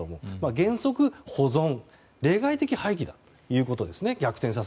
原則保存、例外的廃棄だということですね。